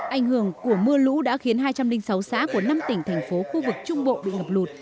ảnh hưởng của mưa lũ đã khiến hai trăm linh sáu xã của năm tỉnh thành phố khu vực trung bộ bị ngập lụt